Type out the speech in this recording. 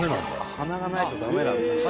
鼻がないと駄目なんだ。